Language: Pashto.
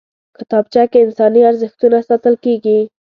کتابچه کې انساني ارزښتونه ساتل کېږي